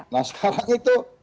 nah sekarang itu